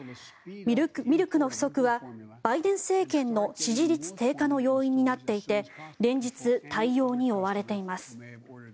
ミルクの不足はバイデン政権の支持率低下の要因になっていて連日、対応に追われています。